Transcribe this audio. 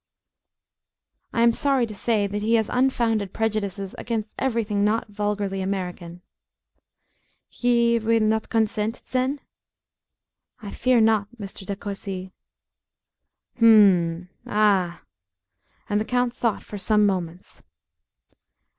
"I am sorry to say that he has unfounded prejudices against every thing not vulgarly American." "He will not consent, then?" "I fear not, Mr. De Courci." "Hum m. Ah!" and the count thought for some moments.